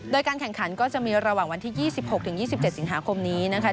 โดยการแข่งขันก็จะมีระหว่างวันที่๒๖๒๗สิงหาคมนี้นะคะ